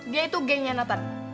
dia itu gengnya nathan